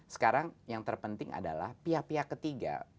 sekarang yang terpenting adalah pihak pihak ketiga